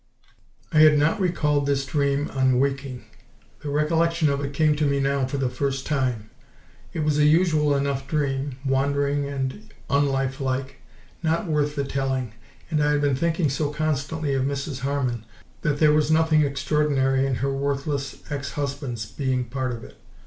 I had not recalled this dream on waking: the recollection of it came to me now for the first time. It was a usual enough dream, wandering and unlifelike, not worth the telling; and I had been thinking so constantly of Mrs. Harman that there was nothing extraordinary in her worthless ex husband's being part of it.